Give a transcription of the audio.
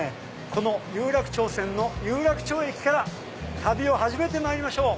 この有楽町線の有楽町駅から旅を始めてまいりましょう！